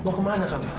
mau ke mana pak